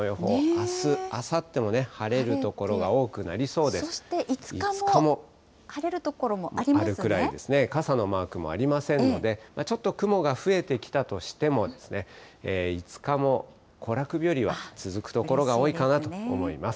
あす、あさっても晴れる所が多くそして、５日も晴れる所もあありますね、傘のマークもありませんので、ちょっと雲が増えてきたとしても、５日も行楽日和は続く所が多いかなと思います。